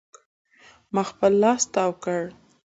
ما خپل لاس تاو کړ.